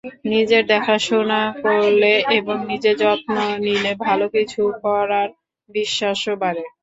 নিজের দেখাশোনা করলে এবং নিজের যত্ন নিলে ভালো কিছু করার বিশ্বাসও বাড়ে।